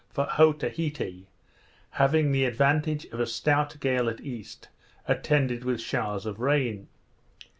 for Otaheite, having the advantage of a stout gale at east, attended with showers of rain.